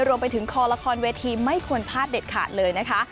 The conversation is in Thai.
รวมไปถึงคอละครเวทีไม่ควรพลาดเด็ดขาดเลยนะคะ